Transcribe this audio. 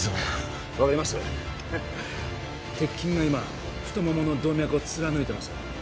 鉄筋が今太ももの動脈を貫いてます